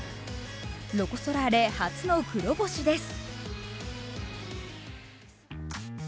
ロコ・ソラーレ、初の黒星です。